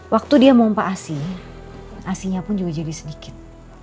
waktu dia mempa asi asinya pun juga jadi sedikit